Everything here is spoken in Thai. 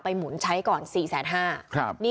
หมุนใช้ก่อน๔๕๐๐บาท